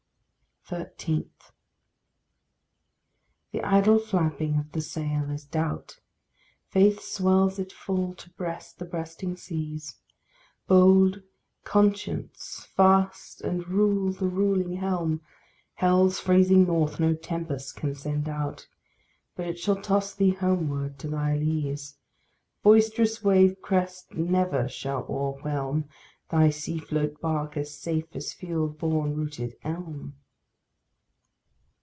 13. The idle flapping of the sail is doubt; Faith swells it full to breast the breasting seas. Bold, conscience, fast, and rule the ruling helm; Hell's freezing north no tempest can send out, But it shall toss thee homeward to thy leas; Boisterous wave crest never shall o'erwhelm Thy sea float bark as safe as field borne rooted elm.